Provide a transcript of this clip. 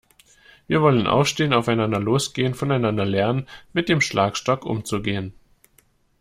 Wir wollen aufstehen, aufeinander losgehen, voneinander lernen, mit dem Schlagstock umzugehen.